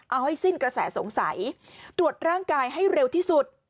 เอาให้สิ้นกระแสสงสัยตรวจร่างกายให้เร็วที่สุด